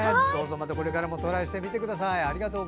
これからもトライしてみてください。